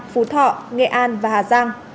phú thọ nghệ an và hà giang